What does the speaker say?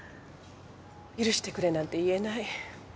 許してくれなんて言えない